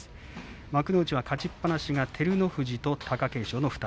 幕内は勝ちっぱなしは照ノ富士と貴景勝の２人。